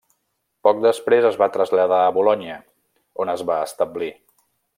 Poc després es va traslladar a Bolonya, on es va establir.